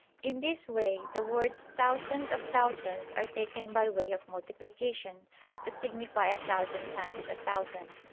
In this way, the words "thousands of thousands" are taken by way of multiplication, to signify "a thousand times a thousand."